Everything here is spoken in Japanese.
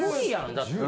だって。